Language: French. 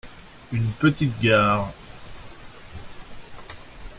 Une petite gare.